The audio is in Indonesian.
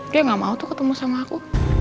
dia gak mau tuh ketemu sama aku